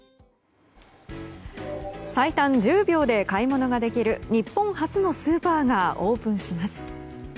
最短１０秒で買い物ができる日本初のスーパーがオープンします。